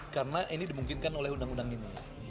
karena ini dimungkinkan oleh undang undang ini